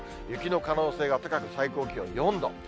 雪の可能性が高く最高気温４度。